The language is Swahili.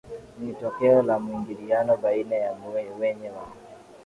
ni tokeo la mwingiliano baina ya wenye wa